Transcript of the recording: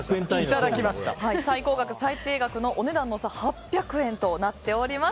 最高額最低額のお値段の差８００円となっております。